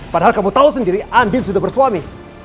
padahal kamu tau sendiri andi sudah bersuami